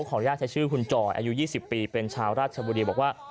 อนุญาตใช้ชื่อคุณจอยอายุ๒๐ปีเป็นชาวราชบุรีบอกว่า